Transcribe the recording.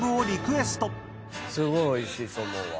すごいおいしいと思うわ。